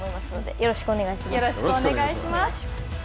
よろしくお願いします。